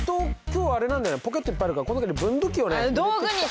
今日あれなんだよポケットいっぱいあるからこの中に分度器をね。